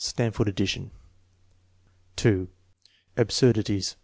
(Stanford addition.) 8. Absurdities.